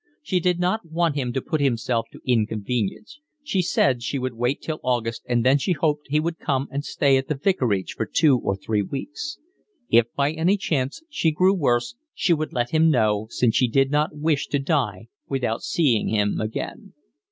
She did not want him to put himself to inconvenience; she said she would wait till August and then she hoped he would come and stay at the vicarage for two or three weeks. If by any chance she grew worse she would let him know, since she did not wish to die without seeing him again.